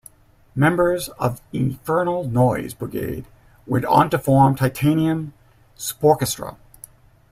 Members of Infernal Noise Brigade went on to form Titanium Sporkestra.